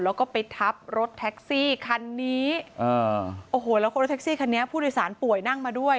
แล้วก็ไปทับรถแท็กซี่คันนี้อ่าโอ้โหแล้วคนรถแท็กซี่คันนี้ผู้โดยสารป่วยนั่งมาด้วย